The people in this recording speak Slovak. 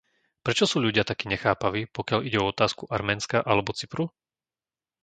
Prečo sú ľudia takí nechápaví, pokiaľ ide o otázku Arménska alebo Cypru?